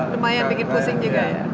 lumayan bikin pusing juga ya